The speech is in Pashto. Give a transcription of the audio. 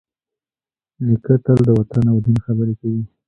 نیکه تل د وطن او دین خبرې کوي.